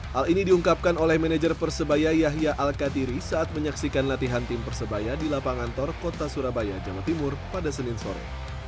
hal ini diungkapkan oleh manajer persebaya yahya al katiri saat menyaksikan latihan tim persebaya di lapangan tor kota surabaya jawa timur pada senin sore